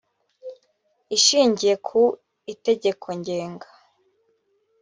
ishingiye ku itegeko ngenga